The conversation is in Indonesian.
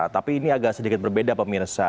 tapi ini agak sedikit berbeda pemirsa